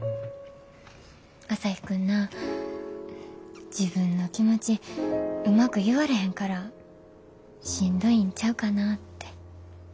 朝陽君な自分の気持ちうまく言われへんからしんどいんちゃうかなって。